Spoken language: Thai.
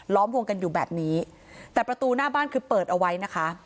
วงกันอยู่แบบนี้แต่ประตูหน้าบ้านคือเปิดเอาไว้นะคะ